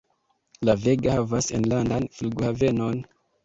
La Vega havas enlandan flughavenon.